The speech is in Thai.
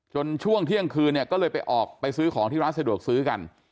ช่วงเที่ยงคืนเนี่ยก็เลยไปออกไปซื้อของที่ร้านสะดวกซื้อกัน